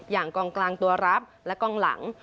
กองกลางตัวรับและกองหลัง